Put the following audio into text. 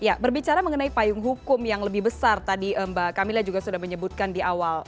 ya berbicara mengenai payung hukum yang lebih besar tadi mbak kamila juga sudah menyebutkan di awal